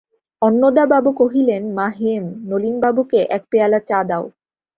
অন্নদাবাবু কহিলেন, মা হেম, নলিনবাবুকে এক পেয়ালা চা দাও।